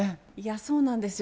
そうなんですよ。